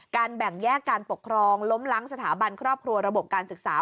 แบ่งแยกการปกครองล้มล้างสถาบันครอบครัวระบบการศึกษา